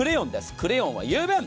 クレヨンは油分！